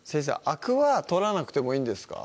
アクは取らなくてもいいんですか？